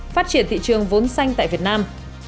phát triển thị trường vốn xanh tại việt nam